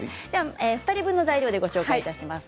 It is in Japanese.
２人分の材料でご紹介します。